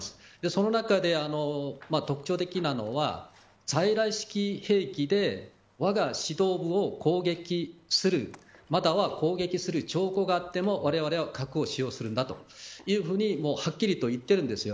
その中で特徴的なのは在来式兵器でわが指導部を攻撃するまたは攻撃する兆候があってもわれわれは核を使用するんだとはっきりと言っているんです。